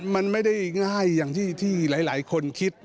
มันไม่ได้ง่ายอย่างที่หลายคนคิด